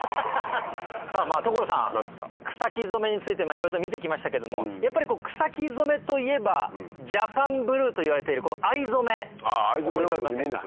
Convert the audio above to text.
さぁ所さん草木染めについていろいろと見て来ましたけどもやっぱり草木染めといえばジャパンブルーといわれている藍染め思い浮かびませんか？